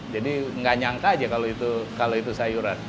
jadi nggak nyangka aja kalau itu sayuran